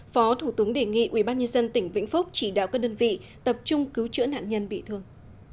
phó thủ tướng đề nghị ubnd tỉnh vĩnh phúc chỉ đạo các đơn vị tập trung cứu chữa nạn nhân bị thương